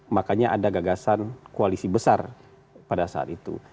makanya ada gagasan koalisi besar pada saat itu